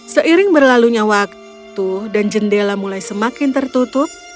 seiring berlalunya waktu dan jendela mulai semakin tertutup